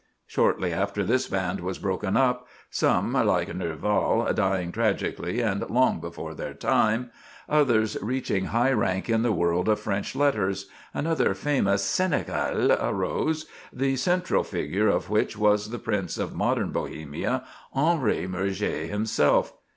Shortly after this band was broken up—some, like Nerval, dying tragically and long before their time; others reaching high rank in the world of French letters—another famous cénacle arose, the central figure of which was the prince of modern Bohemia, Henri Murger himself.